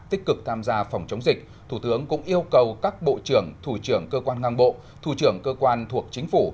tích cực tham gia phòng chống dịch thủ tướng cũng yêu cầu các bộ trưởng thủ trưởng cơ quan ngang bộ thủ trưởng cơ quan thuộc chính phủ